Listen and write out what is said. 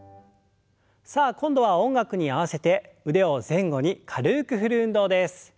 さあ今度は音楽に合わせて腕を前後に軽く振る運動です。